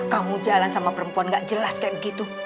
kamu jalan sama perempuan gak jelas kayak begitu